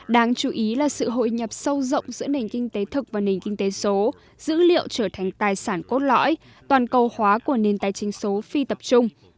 đáng chú ý là sự hội nhập sâu rộng giữa nền kinh tế thực và nền kinh tế số dữ liệu trở thành tài sản cốt lõi toàn cầu hóa của nền tài chính số phi tập trung